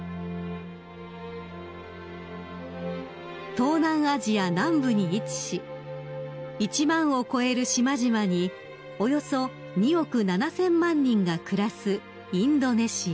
［東南アジア南部に位置し１万を超える島々におよそ２億７，０００万人が暮らすインドネシア］